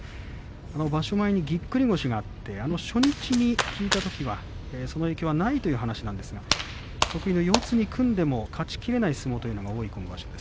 場所前にぎっくり腰があって初日に聞いたときはその影響はないという話でしたが得意の四つに組んでも勝ち切れない相撲が多い今場所の取組です。